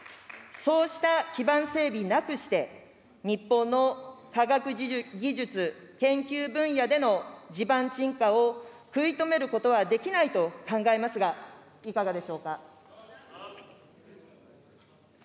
そうした基盤整備なくして、日本の科学技術研究分野での地盤沈下を食い止めることはできないと考えますが、いかがでしょうか。